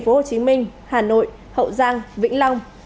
hồ chí minh hà nội hậu giang vĩnh long